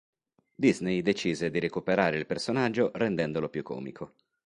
Disney decise di recuperare il personaggio rendendolo più comico.